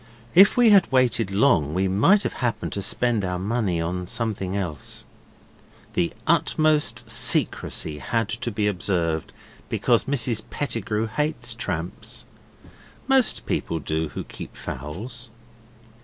If we had waited long we might have happened to spend our money on something else. The utmost secrecy had to be observed, because Mrs Pettigrew hates tramps. Most people do who keep fowls.